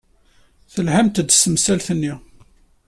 Telhamt-d s temsalt-nni.